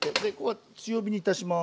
強火にいたします。